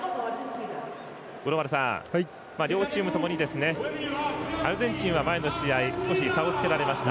五郎丸さん、両チームともにアルゼンチンは、前の試合少し差をつけられました。